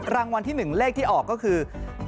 รางวัลที่๑เลขที่ออกก็คือ